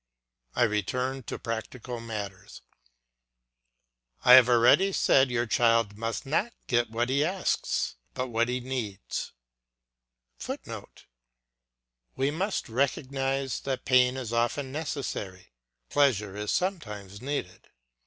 I return to practical matters. I have already said your child must not get what he asks, but what he needs; [Footnote: We must recognise that pain is often necessary, pleasure is sometimes needed.